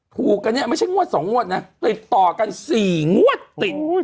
หูกันนี่ไม่ใช่งวดสองงวดนะเลยต่อกันสี่งวดติดโฮย